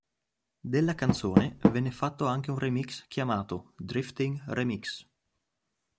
Della canzone venne fatto anche un remix chiamato "Drifting Re-Mix".